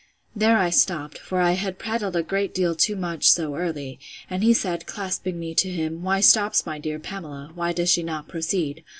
There I stopped; for I had prattled a great deal too much so early: and he said, clasping me to him, Why stops my dear Pamela?—Why does she not proceed?